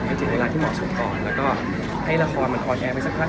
ไม่แค่โอนเวลาเข้ายังแค่ได้เจ็บโอนไลน์ที่หมดชุดก่อน